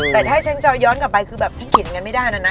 แต่ถ้าฉันจะย้อนกลับไปคือแบบฉันเขียนอย่างนั้นไม่ได้นะนะ